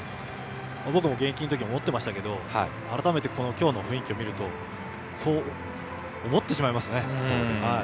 僕も現役のとき思ってましたけど改めて今日の雰囲気を見るとそう思ってしまいますね。